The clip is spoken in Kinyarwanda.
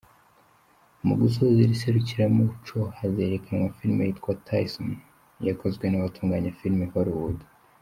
Mu gusoza iri serukiramuco hazerekanwa filime yitwa ‘Tyson’, yakozwe n’abatunganya filime i Hollywood.